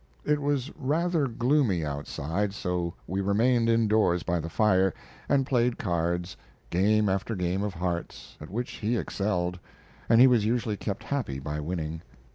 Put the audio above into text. It was rather gloomy outside, so we remained indoors by the fire and played cards, game after game of hearts, at which he excelled, and he was usually kept happy by winning.